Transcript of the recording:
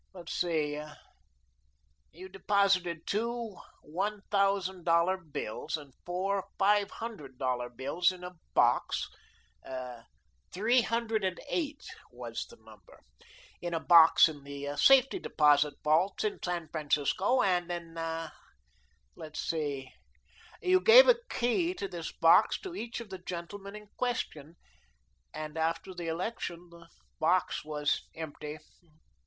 "Let's see. You deposited two one thousand dollar bills and four five hundred dollar bills in a box three hundred and eight was the number in a box in the Safety Deposit Vaults in San Francisco, and then let's see, you gave a key to this box to each of the gentlemen in question, and after the election the box was empty.